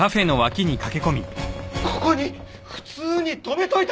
ここに普通に止めといただけだ！